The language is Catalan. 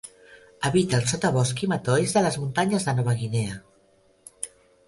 Habita el sotabosc i matolls de les muntanyes de Nova Guinea.